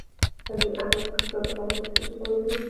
د علي احمد کهزاد د غربت کیسه څوک اورېدای شي.